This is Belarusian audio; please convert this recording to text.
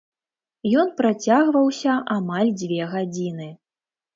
Ён працягваўся амаль дзве гадзіны.